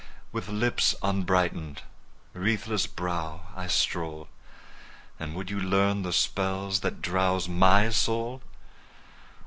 10 With lips unbrighten'd, wreathless brow, I stroll: And would you learn the spells that drowse my soul?